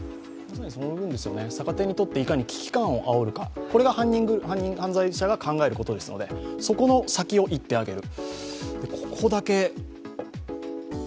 逆手にとっていかに危機感をあおるか、これが犯罪者が考えることですので、そこのサキを行ってあげる。